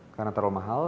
karena terlalu mahal